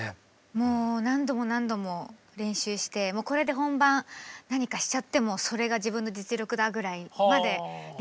もう何度も何度も練習してこれで本番何かしちゃってもそれが自分の実力だぐらいまで練習しました。